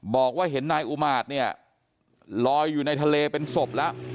บอกว่าเห็นนายอุมาตย์เนี่ยลอยอยู่ในทะเลเป็นศพแล้ว